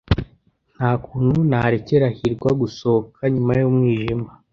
Nta kuntu narekera hirwa gusohoka nyuma y'umwijima.